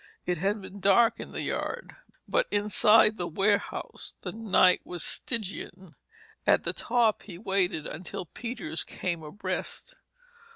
It had been dark in the yard, but inside the warehouse the night was Stygian. At the top he waited until Peters came abreast.